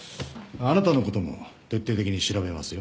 あなたのことも徹底的に調べますよ